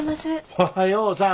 おはようさん。